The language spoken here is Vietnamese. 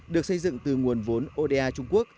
được xây dựng từ nguồn vốn oda trung quốc